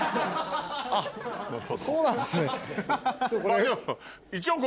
あっそうなんですね。